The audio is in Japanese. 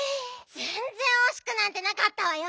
ぜんぜんおしくなんてなかったわよ。